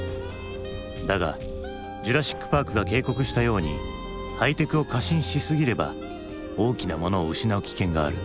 だが「ジュラシック・パーク」が警告したようにハイテクを過信しすぎれば大きなものを失う危険がある。